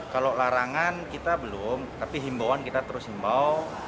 kalau larangan kita belum tapi himbauan kita terus himbau